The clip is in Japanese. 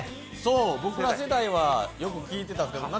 僕ら世代はよく聴いてた。